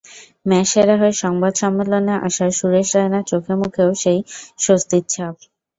Match সেরা হয়ে সংবাদ সম্মেলনে আসা সুরেশ রায়নার চোখে-মুখেও সেই স্বস্তির ছাপ।